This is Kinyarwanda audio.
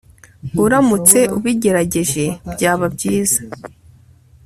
uramutse ubugerageje byaba byiza